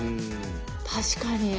確かに。